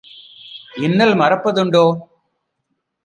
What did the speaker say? இன்னல் மறப்ப துண்டோ?"